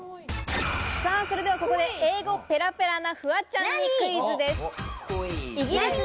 それでは、ここで英語ペラペラなフワちゃんにクイズです。